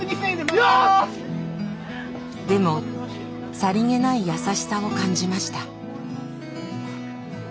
でもさりげない優しさを感じました。